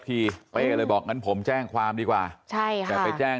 หกสิบล้านหกสิบล้านหกสิบล้านหกสิบล้านหกสิบล้าน